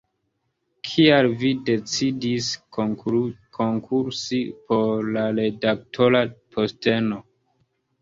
Kial vi decidis konkursi por la redaktora posteno?